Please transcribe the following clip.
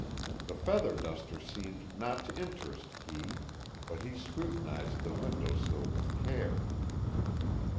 The feather duster seemed not to interest Kee, but he scrutinized the window sill with care.